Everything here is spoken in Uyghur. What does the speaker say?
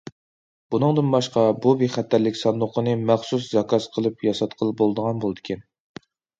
بۇنىڭدىن باشقا، بۇ بىخەتەرلىك ساندۇقىنى مەخسۇس زاكاز قىلىپ ياساتقىلى بولىدىغان بولىدىكەن.